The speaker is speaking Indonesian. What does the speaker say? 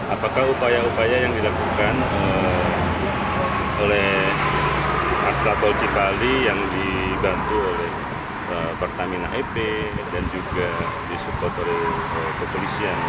apakah upaya upaya yang dilakukan oleh astagfirullahaladzim yang dibantu oleh pertamina ep dan juga disupport oleh kepolisian